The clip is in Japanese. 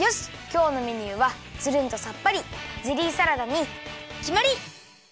きょうのメニューはつるんとさっぱりゼリーサラダにきまり！